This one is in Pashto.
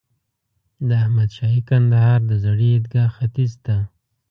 د احمد شاهي کندهار د زړې عیدګاه ختیځ ته.